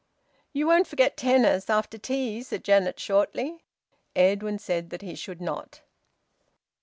"You won't forget tennis after tea," said Janet shortly. Edwin said that he should not.